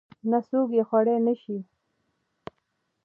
نه څوک يې خوړى نشي.